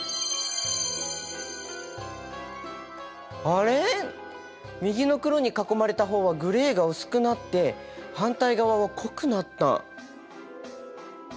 あれ右の黒に囲まれた方はグレーが薄くなって反対側は濃くなった。